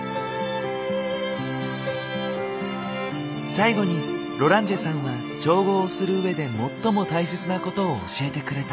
最後にロランジェさんは調合をするうえで最も大切なことを教えてくれた。